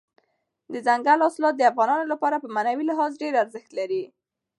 دځنګل حاصلات د افغانانو لپاره په معنوي لحاظ ډېر ارزښت لري.